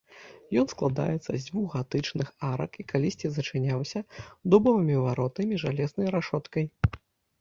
Ён складаецца з дзвюх гатычных арак, і калісьці зачыняўся дубовымі варотамі і жалезнай рашоткай.